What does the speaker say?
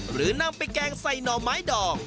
หรือนำไปแกงใส่หน่อไม้ดอก